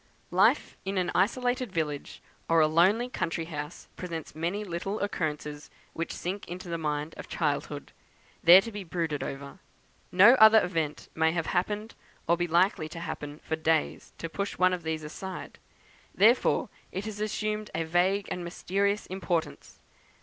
Life in an isolated village, or a lonely country house, presents many little occurrences which sink into the mind of childhood, there to be brooded over. No other event may have happened, or be likely to happen, for days, to push one of these aside, before it has assumed a vague and mysterious importance.